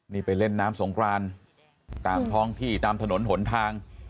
นี่ไปเล่นน้ำสงครานตามท้องที่ตามถนนหนทาง